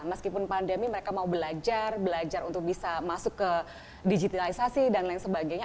meskipun pandemi mereka mau belajar belajar untuk bisa masuk ke digitalisasi dan lain sebagainya